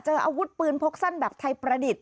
อาวุธปืนพกสั้นแบบไทยประดิษฐ์